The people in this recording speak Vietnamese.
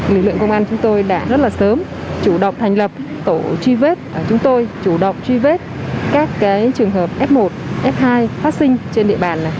lực lượng công an chúng tôi đã rất là sớm chủ động thành lập tổ truy vết chúng tôi chủ động truy vết các trường hợp f một f hai phát sinh trên địa bàn